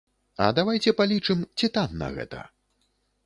А давайце палічым, ці танна гэта?